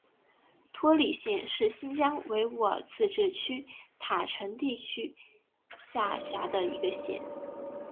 托里县是新疆维吾尔自治区塔城地区下辖的一个县。